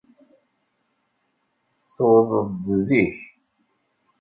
Tuwḍed-d zik.